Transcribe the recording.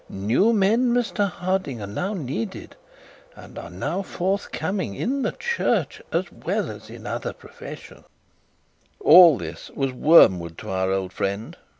New men, Mr Harding, are now needed, and are now forthcoming in the church, as well as in other professions.' All this was wormwood to our old friend.